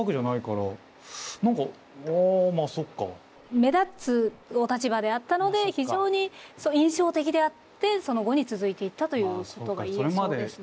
目立つお立場であったので非常に印象的であってその後に続いていったということが言えそうですね。